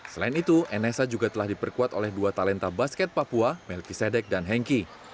selain itu nsa juga telah diperkuat oleh dua talenta basket papua melki sedek dan henki